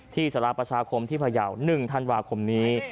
ที่สารประชาคมที่พยาวหนึ่งธันวาคมนี้